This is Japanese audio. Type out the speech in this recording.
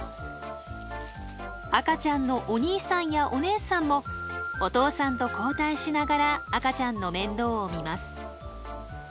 赤ちゃんのお兄さんやお姉さんもお父さんと交代しながら赤ちゃんの面倒を見ます。